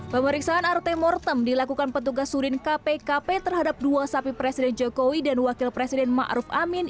pemeriksaan rt mortem dilakukan petugas surin kpkp terhadap dua sapi presiden jokowi dan wakil presiden ma'ruf amin